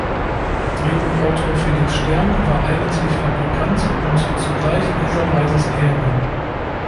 Drehbuchautor Felix Stern war eigentlich Fabrikant und zugleich Lisa Weises Ehemann.